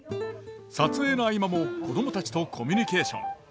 撮影の合間も子供たちとコミュニケーション。